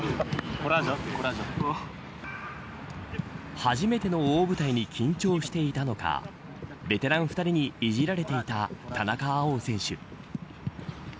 初めての大舞台に緊張していたのかベテラン２人にいじられていた田中碧選手。